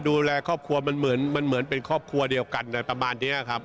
ดูแลครอบครัวมันเหมือนเป็นครอบครัวเดียวกันประมาณนี้ครับ